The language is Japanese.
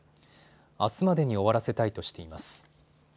あすまでに終わらせたいとしています。